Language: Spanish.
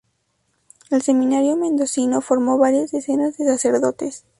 El Seminario mendocino formó varias decenas de sacerdotes.